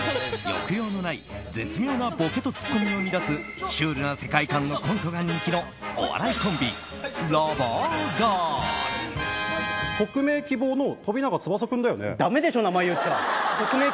抑揚のない絶妙なボケとツッコミを繰り返すシュールな世界観のコントが人気のお笑いコンビ匿名希望の飛永翼君だよね？